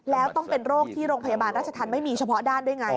แล้วต้องเป็นโรคที่โรงพยาบาลราชธรรมไม่มีเฉพาะด้านด้วยไง